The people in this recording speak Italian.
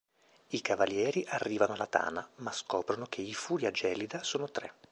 I cavalieri arrivano alla tana, ma scoprono che i Furia gelida sono tre.